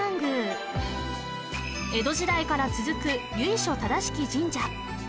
江戸時代から続く由緒正しき神社